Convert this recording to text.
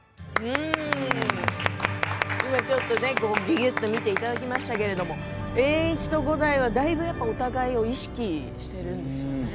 今、ちょっとね見ていただきましたけど栄一と五代はだいぶお互いを意識しているんですよね。